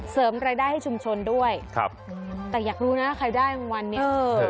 เสริมรายได้ให้ชุมชนด้วยครับแต่อยากรู้นะใครได้รางวัลเนี่ยเออ